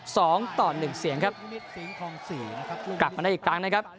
สองต่อหนึ่งเสียงครับกลับมาได้อีกครั้งนะครับ